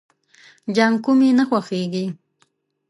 جانکو مې نه خوښيږي.